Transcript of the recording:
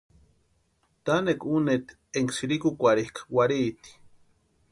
Tanhekwa únheti énka sïrikukwarhikʼa warhiiti.